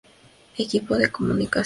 Equipo de comunicaciones